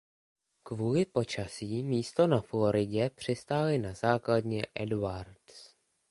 Kvůli počasí místo na Floridě přistáli na základně Edwards.